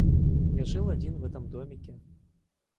Я жил один в этом домике.